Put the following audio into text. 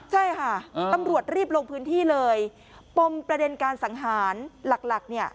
ใช่ค่ะตำรวจรีบลงพื้นที่เลยปมประเด็นการสังหารหลักหลักเนี่ย